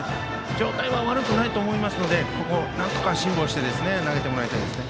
状態は悪くないと思いますのでここ、なんとか辛抱して投げてもらいたいですね。